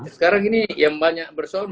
sekarang ini yang banyak bersolusi